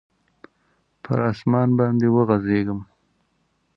پر اسمان باندي وغځیږم